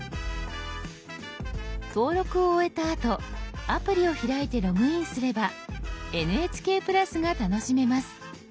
登録を終えたあとアプリを開いてログインすれば「ＮＨＫプラス」が楽しめます。